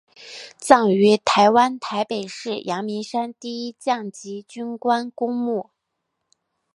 葬于台湾台北市阳明山第一将级军官公墓